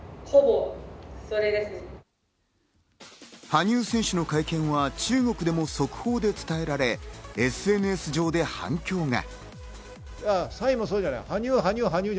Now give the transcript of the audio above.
羽生選手の会見は中国でも速報で伝えられ、ＳＮＳ上で反響が。